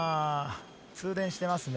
通電していますね。